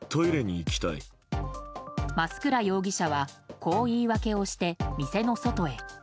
増倉容疑者はこう言い訳をして店の外へ。